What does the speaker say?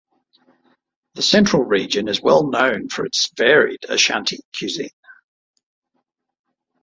The Central Region is well known for its varied Ashanti cuisine.